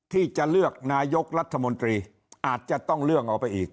ที่จะเลือกนายกรัฐมนตรีอาจจะต้องเลื่อนออกไปอีก